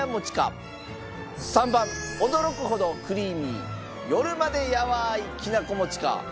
３番驚くほどクリーミー夜までやわいきなこ餅か。